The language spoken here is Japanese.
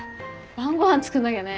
晩ご飯作んなきゃね。